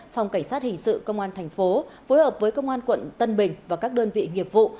phòng cảnh sát hình sự công an thành phố phối hợp với công an quận tân bình và các đơn vị nghiệp vụ